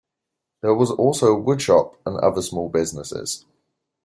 There was also a wood shop and other small businesses.